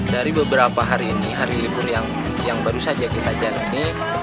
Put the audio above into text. dari beberapa hari ini hari libur yang baru saja kita jalani